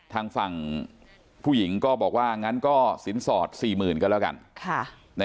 ทางฝั่งผู้หญิงก็บอกว่างั้นก็สินสอด๔๐๐๐ก็แล้วกัน